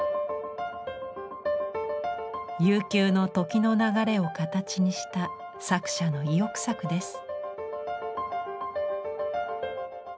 悠久の時の流れを形にした作者の意欲作です。